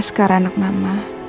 askara anak mama